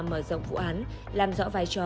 mở rộng vụ án làm rõ vai trò